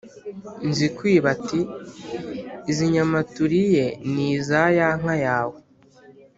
Nzikwiba ati: "Izi nyama turiye ni iza ya nka yawe